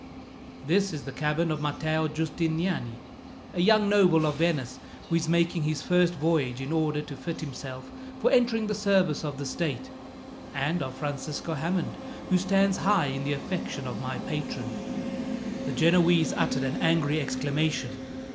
"This is the cabin of Matteo Giustiniani, a young noble of Venice, who is making his first voyage, in order to fit himself for entering the service of the state: and of Francisco Hammond, who stands high in the affections of my patron." The Genoese uttered an angry exclamation.